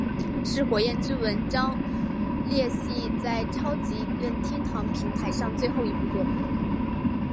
是火焰之纹章系列在超级任天堂平台上的最后一部作品。